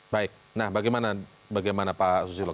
baik nah bagaimana pak susilo